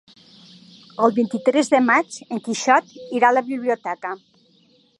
El vint-i-tres de maig en Quixot irà a la biblioteca.